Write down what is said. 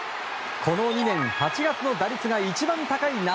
この２年、８月の打率が一番高い夏